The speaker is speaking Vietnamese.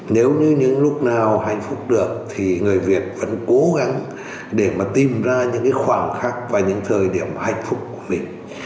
nếu như những lúc nào hạnh phúc được thì người việt vẫn cố gắng để mà tìm ra những cái khoảnh khắc và những thời điểm hạnh phúc của mình